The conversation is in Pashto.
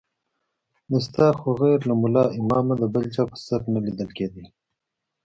دستار خو غير له ملا امامه د بل چا پر سر نه ليدل کېده.